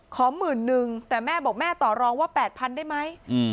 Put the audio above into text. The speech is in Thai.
ขอหมื่นนึงแต่แม่บอกแม่ต่อรองว่า๘๐๐ได้ไหม